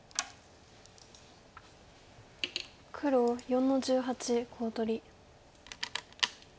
黒４の十八コウ取り。